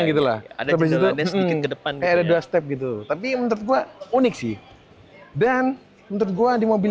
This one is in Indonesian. gitu lah ada jendela dan sedikit ke depan gitu tapi menurut gua unik sih dan menurut gua di mobil